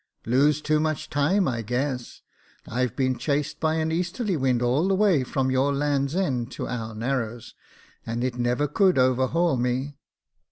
Lose too much time, I guess. I've been chased by an easterly wind all the way from your Land's End to our Narrows, and it never could overhaul me."